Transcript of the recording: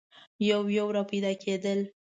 یو یو را پیدا کېدل.